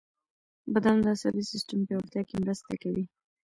• بادام د عصبي سیستم پیاوړتیا کې مرسته کوي.